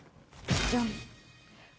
ジャン！